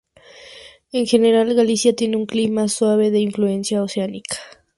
En general, Galicia tiene un clima suave de influencia oceánica.